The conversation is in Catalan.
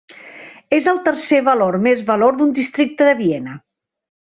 És el tercer valor més valor d'un districte de Viena.